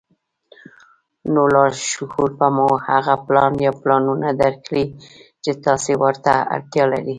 نو لاشعور به مو هغه پلان يا پلانونه درکړي چې تاسې ورته اړتيا لرئ.